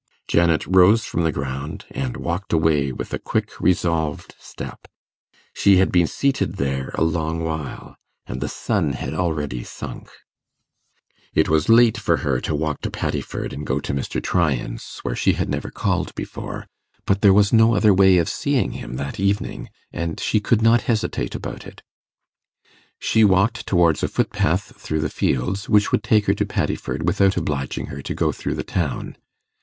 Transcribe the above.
Janet rose from the ground, and walked away with a quick resolved step. She had been seated there a long while, and the sun had already sunk. It was late for her to walk to Paddiford and go to Mr. Tryan's, where she had never called before; but there was no other way of seeing him that evening, and she could not hesitate about it. She walked towards a footpath through the fields, which would take her to Paddiford without obliging her to go through the town.